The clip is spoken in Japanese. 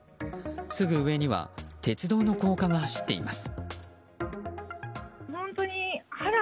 すぐ上には鉄道の高架が走っています。